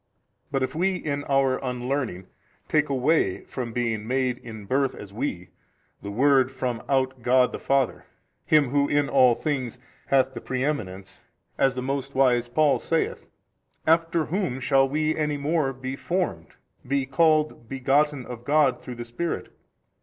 But if we in our unlearning take away from being MADE in birth as we the Word from out God the Father, Him who in all things hath the preeminence, as the most wise Paul saith; after whom shall WE any more formed, be called begotten of God through the Spirit?